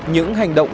những hành động